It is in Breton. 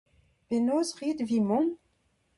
Penaos 'rit evit mont ?